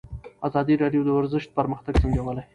ازادي راډیو د ورزش پرمختګ سنجولی.